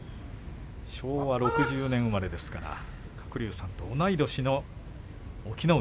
昭和６０年生まれですから鶴竜さんと同い年の隠岐の海。